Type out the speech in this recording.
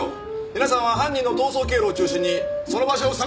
皆さんは犯人の逃走経路を中心にその場所を探し出してください！